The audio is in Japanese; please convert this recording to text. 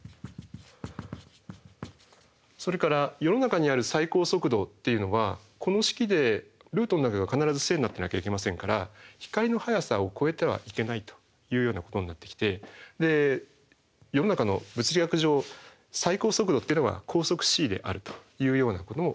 それから世の中にある最高速度っていうのはこの式でルートの中が必ず正になってなきゃいけませんから光の速さを超えてはいけないというようなことになってきてで世の中の物理学上最高速度っていうのは光速ｃであるというようなこともわかります。